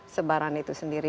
sebaran itu sendiri